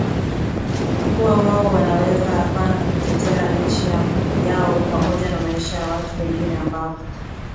kuwa wao wanaweza apana kutetea nchi yao pamoja na maisha ya watu wengine ambao